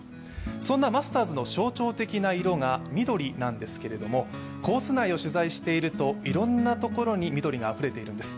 そんなマスターズの象徴的な色が緑なんですけれども、コース内を取材していると、いろんなところに緑があふれているんです。